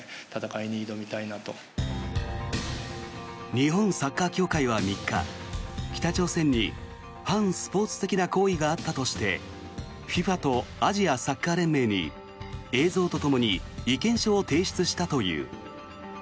日本サッカー協会は３日北朝鮮に反スポーツ的な行為があったとしてＦＩＦＡとアジアサッカー連盟に映像とともに意見書を提出したという。